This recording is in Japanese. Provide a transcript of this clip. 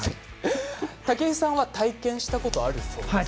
武井さんは体験したことあるそうですね。